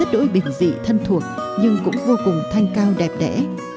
dị thân thuộc nhưng cũng vô cùng thanh cao đẹp đẽ